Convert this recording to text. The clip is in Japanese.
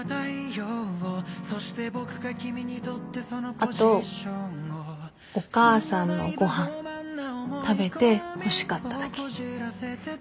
あとお母さんのご飯食べてほしかっただけ。